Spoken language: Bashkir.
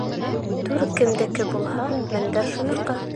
Түр кемдеке булһа, мендәр шуныҡы